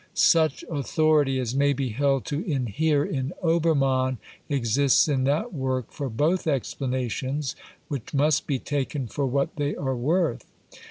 Such authority as may be held to inhere in Obermann exists in that work for both explanations, which must be taken for what they are worth.